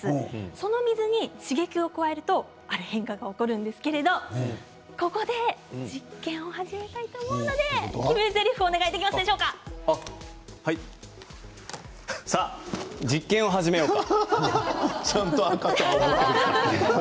その水に刺激を加えるとある変化が起こるんですけどここで実験を始めたいと思うので決めぜりふはい。さあ、実験を始めようか。